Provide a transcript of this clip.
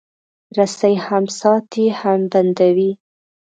رسۍ هم ساتي، هم بندوي.